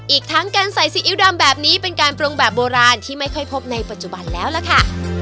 อีกทั้งการใส่ซีอิ๊วดำแบบนี้เป็นการปรุงแบบโบราณที่ไม่ค่อยพบในปัจจุบันแล้วล่ะค่ะ